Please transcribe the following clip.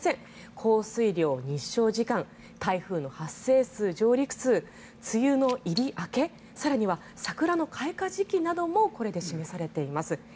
降水量、日照時間台風の発生数、上陸数梅雨の入り、明け更には桜の開花時期などもこれで示されています。